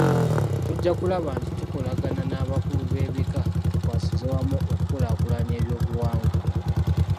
Tujja kulaba nti tukolagana n’abakulu b’ebika tukwasize wamu okukulaakulanya eby'obuwangwa.